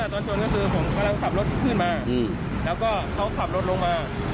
ตอนชนก็คือผมกำลังขับรถขึ้นมาแล้วก็เขาขับรถลงมา